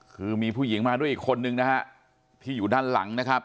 คือมีผู้หญิงมาด้วยอีกคนนึงนะฮะที่อยู่ด้านหลังนะครับ